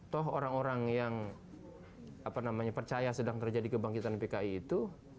toh orang orang yang percaya sedang terjadi kebangkitan pki itu